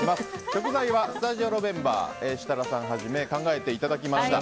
食材はスタジオのメンバー設楽さんはじめ考えていただきました。